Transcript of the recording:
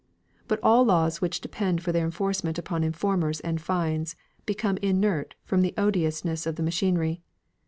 But all laws which depend for their enforcement upon informers and fines, become inert from the odiousness of the machinery.